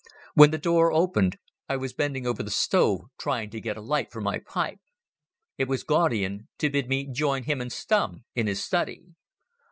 When the door opened I was bending over the stove trying to get a light for my pipe. It was Gaudian, to bid me join him and Stumm in his study.